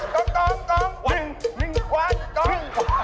จนรู้แล้วใครจะรู้ล่ะ